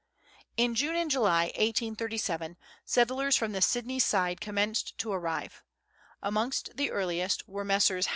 In June and July 1837, settlers from the Sydney side com menced to arrive. Amongst the earliest were Messrs.